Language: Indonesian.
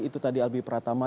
itu tadi albi pratama